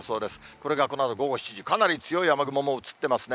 これがこのあと午後７時、かなり強い雨雲も映ってますね。